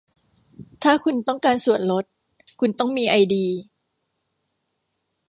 ถ้าคุณต้องการส่วนลด คุณต้องมีไอดี